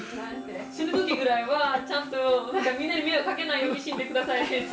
死ぬ時ぐらいはちゃんとみんなに迷惑かけないように死んで下さい先生。